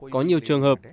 có nhiều trường hợp